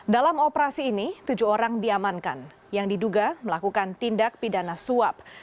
dalam operasi ini tujuh orang diamankan yang diduga melakukan tindak pidana suap